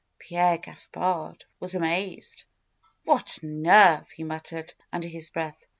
Pierre Gaspard was amazed. "What nerve!" he muttered under his breath.